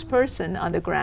nếu tôi có thể